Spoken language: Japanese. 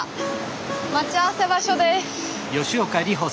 待ち合わせ場所です。